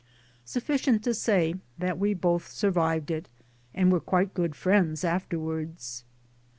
Sufficient to say that we both sur vived it, and were quite good friends afterwards.